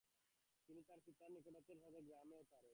তিনি তার পিতার নিকটাত্মীয়ের সাথে গ্রামে এবং তারও